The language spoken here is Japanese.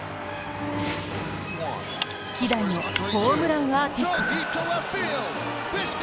希代のホームランアーチストか。